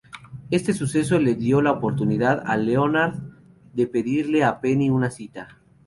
Este suceso le dio la oportunidad a Leonard de pedirle a Penny una cita.